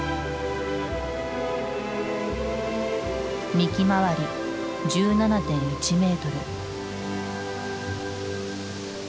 幹周り１７．１メートル。